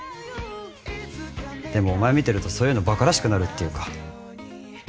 でもお前見てるとそういうのバカらしくなるっていうか。